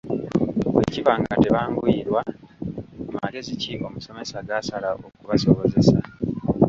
Bwe kiba nga tebanguyirwa magezi ki omusomesa gaasala okubasobozesa?